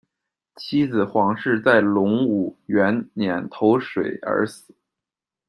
妻子黄氏在隆武元年投水而死。